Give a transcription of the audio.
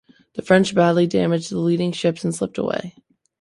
The French badly damaged the leading ships and slipped away.